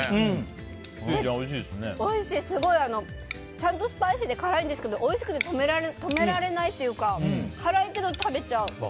ちゃんとスパイシーで辛いんですけどおいしくて止められないというか辛いけど食べちゃう。